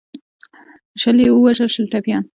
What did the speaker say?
شل یې ووژل شل ټپیان.